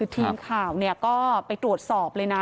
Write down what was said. ทีมข่าวก็ไปตรวจสอบเลยนะ